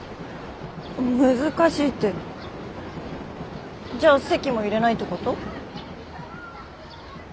難しいってじゃあ籍も入れないってこと？